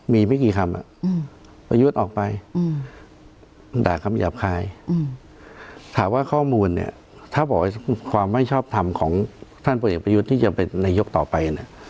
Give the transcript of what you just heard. มีไม่กี่คำประยุทธ์ออกไป